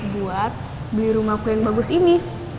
buat beli rumahku yang bagus ini